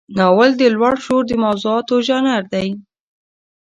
ناول د لوړ شعور د موضوعاتو ژانر دی.